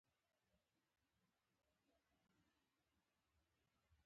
استاد د سختیو سره مقابله کوي.